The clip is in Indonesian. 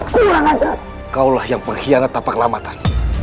kurang aja kaulah yang pengkhianat apak lamatan